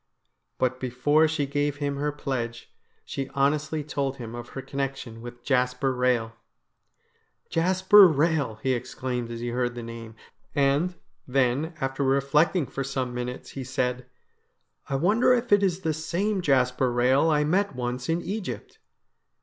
But before she gave him her pledge, she honestly told him of her connection with Jasper Rehel. ' Jasper Rehel !' he exclaimed as he heard the name ; and, then, after reflecting for some minutes, he said :' I wonder if it is the same Jasper Rehel I met once in Egypt